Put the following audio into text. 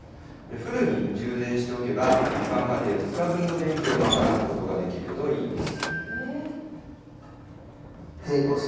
フルに充電しておけば、一般家庭２日分の電気を賄うことができるといいます。